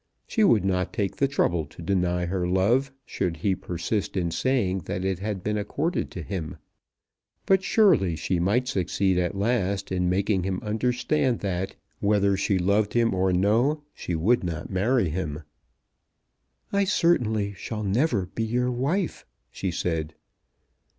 She would not take the trouble to deny her love should he persist in saying that it had been accorded to him. But surely she might succeed at last in making him understand that, whether she loved him or no, she would not marry him. "I certainly shall never be your wife," she said.